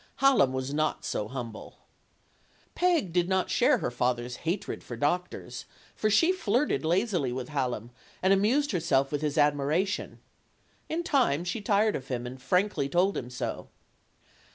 Hallam was not so humble. Peg did not inherit her father's hatred for doctors, for she flirted lazily with Hallam and amused herself with his admiration. In time she tired of him and frankly told him so.